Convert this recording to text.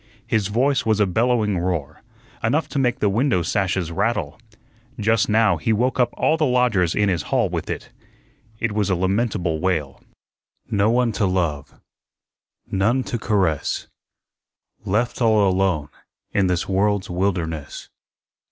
His voice was a bellowing roar, enough to make the window sashes rattle. Just now he woke up all the lodgers in his hall with it. It was a lamentable wail: "No one to love, none to caress, Left all alone in this world's wilderness."